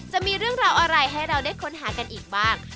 จะมีเรื่องราวอะไรให้เราได้ค้นหากันอีกบ้าง